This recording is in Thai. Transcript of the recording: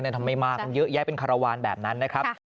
ทำไมมากันเยอะแยะเป็นคารวาลแบบนั้นนะครับ